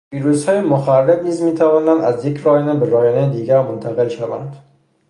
ویروسهای مخرب نیز می توانند از یک رایانه به رایانه دیگر منتقل شوند.